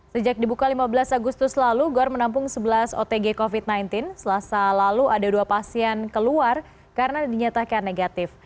sejak dibuka lima belas agustus lalu gor menampung sebelas otg covid sembilan belas selasa lalu ada dua pasien keluar karena dinyatakan negatif